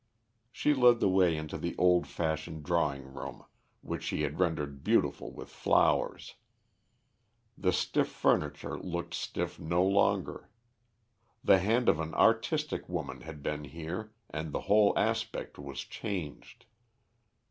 She led the way into the old fashioned drawing room, which she had rendered beautiful with flowers. The stiff furniture looked stiff no longer. The hand of an artistic woman had been here and the whole aspect was changed.